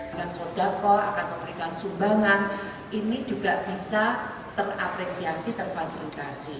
dengan sodakor akan memberikan sumbangan ini juga bisa terapresiasi terfasilitasi